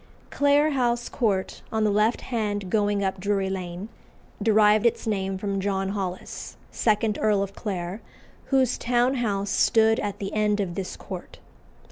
Clare House Court, on the left hand going up Drury Lane, derived its name from John Holles, second Earl of Clare, whose town house stood at the end of this court.